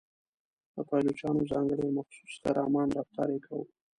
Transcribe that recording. د پایلوچانو ځانګړی او مخصوص خرامان رفتار یې کاوه.